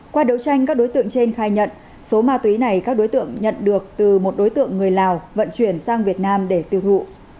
qua đấu tranh các đối tượng trên khai nhận số ma túy này các đối tượng nhận được từ một đối tượng người lào vận chuyển sang việt nam để tiêu thụ